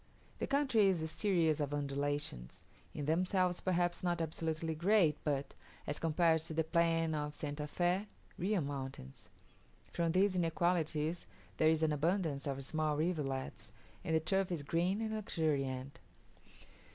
The country is a series of undulations, in themselves perhaps not absolutely great, but, as compared to the plains of St. Fe, real mountains. From these inequalities there is an abundance of small rivulets, and the turf is green and luxuriant.